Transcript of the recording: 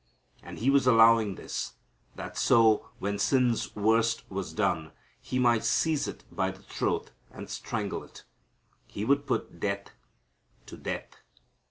And He was allowing this, that so when sin's worst was done, He might seize it by the throat and strangle it. He would put death to death.